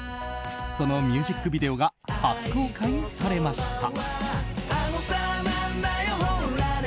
そのミュージックビデオが初公開されました。